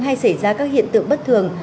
hay xảy ra các hiện tượng bất thường